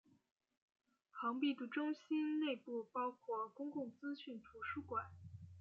庞毕度中心内部包括公共资讯图书馆。